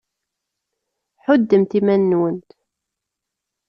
Ḥuddemt iman-went!